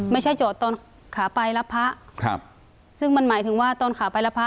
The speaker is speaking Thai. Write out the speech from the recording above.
ไม่ใช่จอดตอนขาไปรับพระซึ่งมันหมายถึงว่าตอนขาไปรับพระ